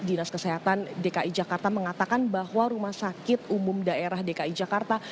dinas kesehatan dki jakarta mengatakan bahwa rumah sakit umum daerah dki jakarta